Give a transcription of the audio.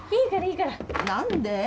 何で？